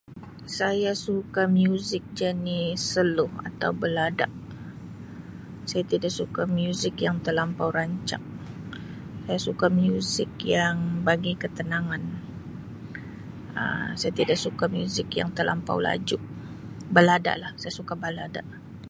Saya suka muzik jenis slow atau balada, saya tidak suka muzik yang talampau rancak, saya suka muzik yang bagi ketenangan Um saya tidak suka muzik yang talampau laju, balada lah saya suka balada.